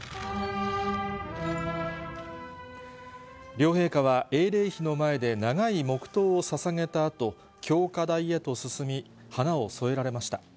両陛下は英霊碑の前で長い黙とうをささげたあと、供花台へと進み、花をそえられました。